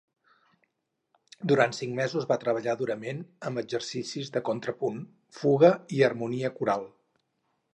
Durant cinc mesos va treballar durament amb exercicis de contrapunt, fuga i harmonia coral.